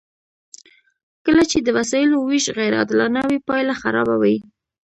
کله چې د وسایلو ویش غیر عادلانه وي پایله خرابه وي.